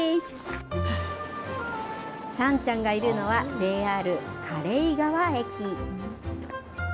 さんちゃんがいるのは、ＪＲ嘉例川駅。